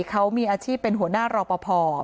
เขามีอาชีพเป็นหัวหน้ารอปภ